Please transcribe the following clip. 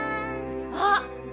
あっ。